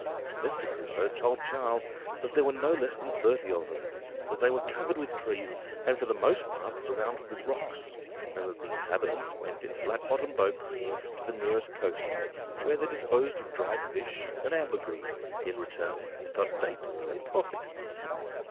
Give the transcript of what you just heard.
Mr. Crusoe told Charles that there were no less than thirty of them, that they were covered with trees, and for the most part surrounded with rocks; and that the inhabitants went in flat bottomed boats to the nearest coast, where they disposed of dried fish and ambergris, and in return got dates and coffee.